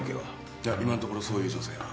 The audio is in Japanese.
いや今のところそういう女性は。